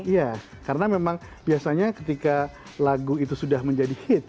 iya karena memang biasanya ketika lagu itu sudah menjadi hit